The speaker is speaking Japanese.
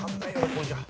これじゃあ。